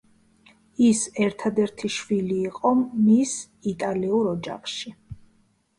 ის ერთადერთი შვილი იყო მის იტალიურ ოჯახში.